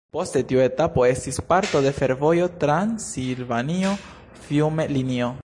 Poste tiu etapo estis parto de fervojo Transilvanio-Fiume linio.